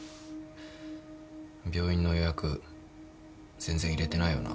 病院の予約全然入れてないよな。